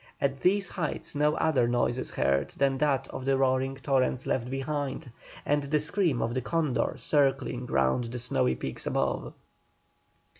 At these heights no other noise is heard than that of the roaring torrents left behind, and the scream of the condor circling round the snowy peaks above.